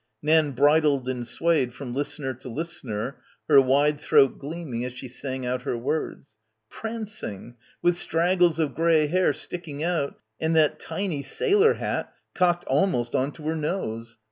Nan bridled and swayed from listener to listener, her wide throat gleaming as she sang out her words. "Prancing — with straggles of grey hair stick ing out and that tiny sailor hat cocked almost on to her nose.